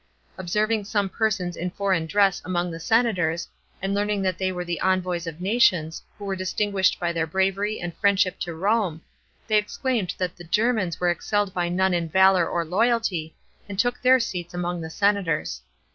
Observing some persons in foreign dress among the senators, and learning that they were the envoys of nations, who were distinguished by their bravery and friendship to Rome, they exclaimed that the Germans were excelled by none in valour or loyalty, and took their seats among the senators.